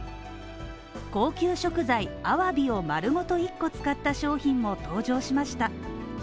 高級食材あわびを丸ごと１個使った商品も登場しました。